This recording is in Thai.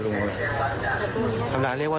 หนูอ๋อกำลังเรียกว่า